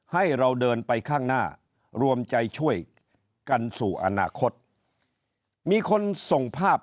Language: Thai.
ให้เราเดินไปข้างหน้ารวมใจช่วยกันสู่อนาคตมีคนส่งภาพ